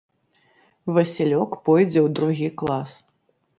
Васілёк пойдзе ў другі клас.